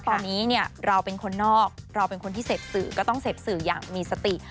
ตอนนี้เนี่ยเราเป็นคนนอกเราเป็นคนที่เสพสื่อก็ต้องเสพสื่ออย่างมีสติ